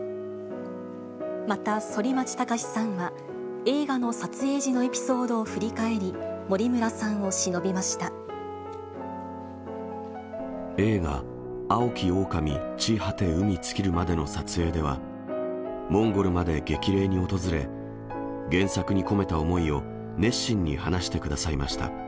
また、反町隆史さんは、映画の撮影時のエピソードを振り返り、森村さん映画、蒼き狼・地果て海尽きるまでの撮影では、モンゴルまで激励に訪れ、原作に込めた思いを熱心に話してくださいました。